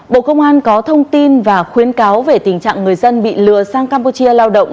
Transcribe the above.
bộ công an có thông tin và khuyến cáo về tình trạng người dân bị lừa sang campuchia lao động